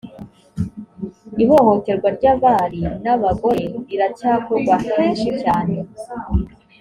ihohoterwa ry’abari n’abagore riracyakorwa henshi cyane